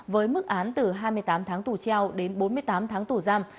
với mức án từ hai mươi tám tháng tù treo đến bốn mươi tám tháng tù giam